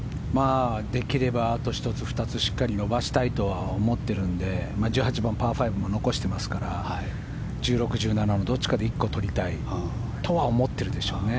できればあと１つ２つしっかり伸ばしたいとは思ってるんで１８番、パー５も残していますから１６、１７のどっちかで１個取りたいとは思ってるでしょうね。